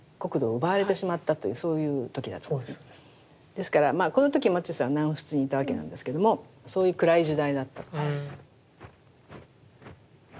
ですからまあこの時マティスは南仏にいたわけなんですけどもそういう暗い時代だった。